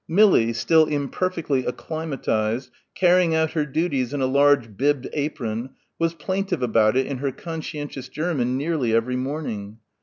Millie, still imperfectly acclimatised, carrying out her duties in a large bibbed apron, was plaintive about it in her conscientious German nearly every morning.